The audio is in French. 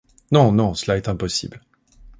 Non, non, cela est impossible.